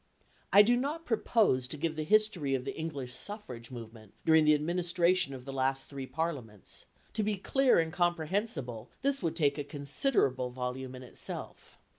I do not propose to give the history of the English suffrage movement during the administration of the last three Parliaments; to be clear and comprehensible, this would take a considerable volume in itself.